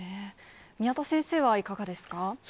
宮田先生はいかがですか。